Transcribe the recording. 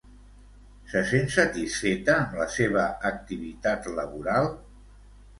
Se sent satisfeta amb la seva activitat laboral?